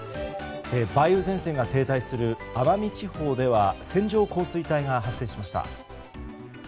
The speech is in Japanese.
梅雨前線が停滞する奄美地方では線状降水帯が発生しました。